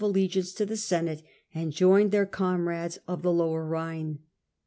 allegiance to the Senate and joined their comrades of the lower Rhine.